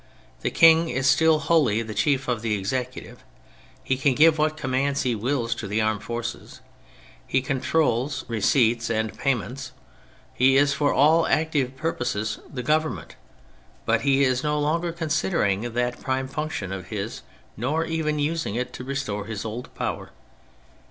The King is still wholly the chief of the Executive; he can give what commands he wills to the armed force; he controls receipts and payments; he is for all active purposes the Government. But he is no longer considering that prime function of his, nor even using it to restore his old power.